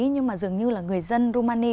nhưng mà dường như là người dân rumani